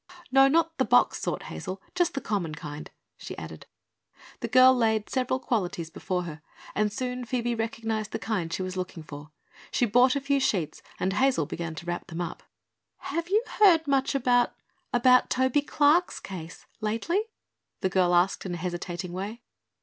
"No, not the box sort, Hazel; just the common kind," she added. The girl laid several qualities before her and soon Phoebe recognized the kind she was looking for. She bought a few sheets and Hazel began to wrap them up. "Have you heard much about about Toby Clark's case lately?" the girl asked in a hesitating way.